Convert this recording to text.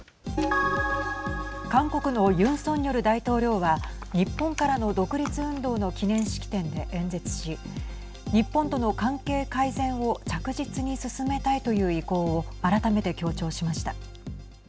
韓国のユン・ソンニョル大統領は日本からの独立運動の記念式典で演説し日本との関係改善を着実に進めたいという意向を改めて強調しました。